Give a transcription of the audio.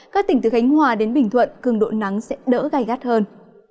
các tỉnh từ khánh hòa đến bình thuận cường độ nắng sẽ đỡ gai gắt hơn